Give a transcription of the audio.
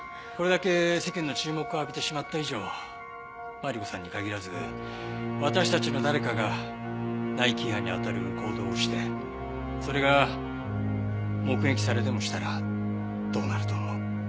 これだけ世間の注目を浴びてしまった以上マリコさんに限らず私たちの誰かが内規違反に当たる行動をしてそれが目撃されでもしたらどうなると思う？